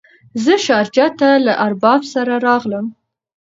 زه شارجه ته له ارباب سره راغلم.